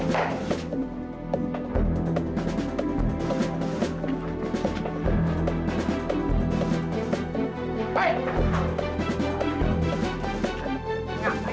ngapain lo disini